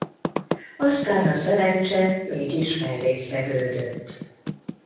Aztán a szerencse mégis mellé szegődött.